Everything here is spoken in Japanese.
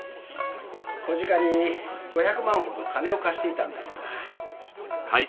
小鹿に５００万ほど金を貸していたんだが。